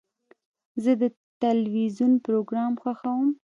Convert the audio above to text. زه د تلویزیون پروګرام خوښوم.